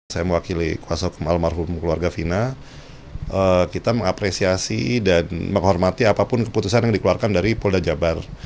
saya mewakili kuasa hukum almarhum keluarga fina kita mengapresiasi dan menghormati apapun keputusan yang dikeluarkan dari polda jabar